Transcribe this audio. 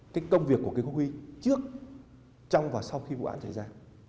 cái công việc của cái hung khí trước trong và sau khi vụ án trở ra